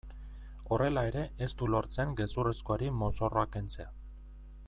Horrela ere ez du lortzen gezurrezkoari mozorroa kentzea.